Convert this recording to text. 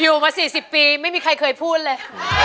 อยู่มา๔๐ปีไม่มีใครเคยพูดเลย